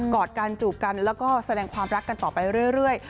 อดกันจูบกันแล้วก็แสดงความรักกันต่อไปเรื่อย